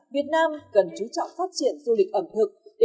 việt nam cần chú trọng phát triển du lịch ẩm thực